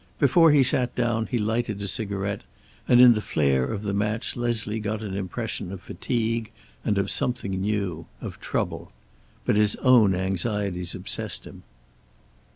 Before he sat down he lighted a cigarette and in the flare of the match Leslie got an impression of fatigue and of something new, of trouble. But his own anxieties obsessed him.